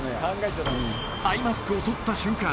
アイマスクをとった瞬間